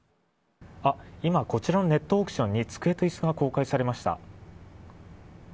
今、こちらのネットオークションに机と椅子が公開されました。